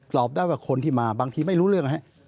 ตอบได้ว่าคนที่มาบางทีไม่รู้เรื่อง